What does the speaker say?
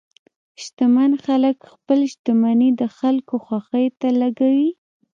شتمن خلک خپل شتمني د خلکو خوښۍ ته لګوي.